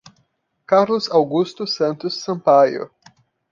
Carlos Augusto Santos Sampaio